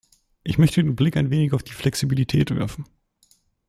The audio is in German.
Ich möchte den Blick ein wenig auf die Flexibilität werfen.